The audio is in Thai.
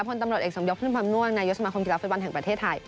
พตเสพนนยสมกฟภไทย